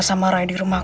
sama ray di rumahmu